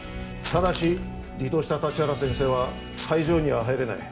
ただし離党した立原先生は会場には入れない。